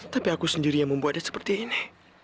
tapi aku sendiri yang membuatnya seperti ini